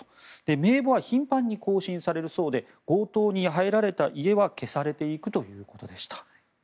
名簿は頻繁に更新されるそうで強盗に入られた家は消されていくということでした。